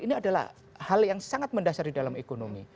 ini adalah hal yang sangat mendasar di dalam ekonomi